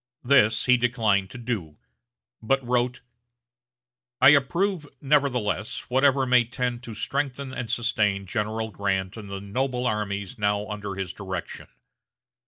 This he declined to do, but wrote: "I approve, nevertheless, whatever may tend to strengthen and sustain General Grant and the noble armies now under his direction.